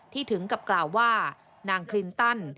ถึงกับกล่าวว่านางคลินตัน